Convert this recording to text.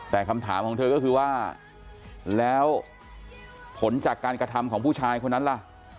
แต่คำถามของเธอก็คือว่าแล้วผลจากการกระทำของผู้ชายคนนั้นล่ะ